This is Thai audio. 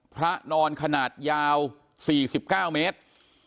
พระนอนขนาดยาว๔๙เมตร